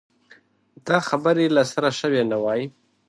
دا خبرې له سره شوې نه وای.